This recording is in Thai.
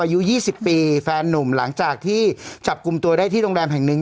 อายุ๒๐ปีแฟนนุ่มหลังจากที่จับกลุ่มตัวได้ที่โรงแรมแห่งหนึ่ง